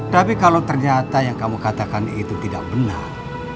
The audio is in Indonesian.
tapi kalau ternyata yang kamu katakan itu tidak benar